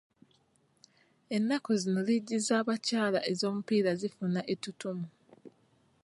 Ennaku zino liigi z'abakyala ez'omupiira zifuna ettutumu.